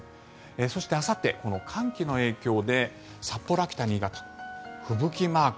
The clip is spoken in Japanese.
そして、あさって寒気の影響で札幌、秋田、新潟吹雪マーク。